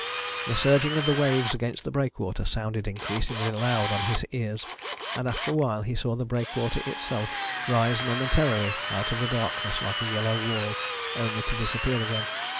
The surging of the waves against the breakwater sounded increasingly loud on his ears, and after a while he saw the breakwater itself rise momentarily out of the darkness like a yellow wall, only to disappear again.